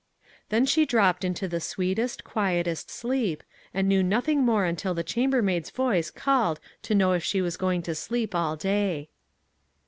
Then she dropped into the sweetest, quietest sleep, and knew nothing more until the cham bermaid's voice called to know if she was going to sleep all day.